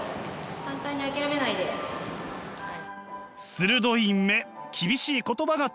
鋭い目厳しい言葉が飛びます。